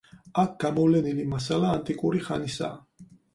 აქ გამოვლენილი მასალა ანტიკური ხანისაა.